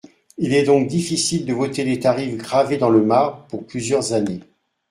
Il est donc difficile de voter des tarifs gravés dans le marbre pour plusieurs années.